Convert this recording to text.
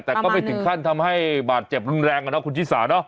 แต่ก็ไม่ถึงขั้นทำให้บาดเจ็บรุนแรงอะเนาะคุณชิสาเนาะ